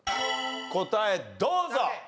答えどうぞ。